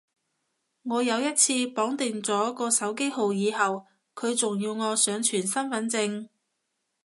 我有一次綁定咗個手機號以後，佢仲要我上傳身份證